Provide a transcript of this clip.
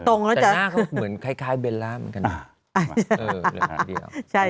แต่หน้าเขาเหมือนใครเบลร่ำเหมือนกัน